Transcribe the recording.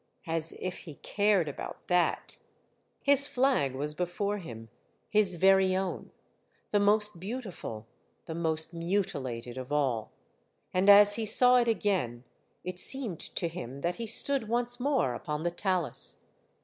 As if he cared about that ! His flag was before him — his very own — the most beautiful, the most mutilated of all, and as he saw it again it seemed to him that he stood once more upon the talus.